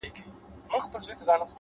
نیک اخلاق د انسان ښکلی میراث دی’